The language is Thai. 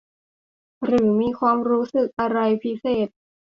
หรือมีความรู้สึกอะไรพิเศษ